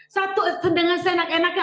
satu dengan senak enaknya